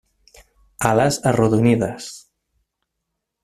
Ales arrodonides.